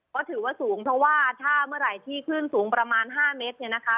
ก็ถือว่าสูงเพราะว่าถ้าเมื่อไหร่ที่คลื่นสูงประมาณ๕เมตรเนี่ยนะคะ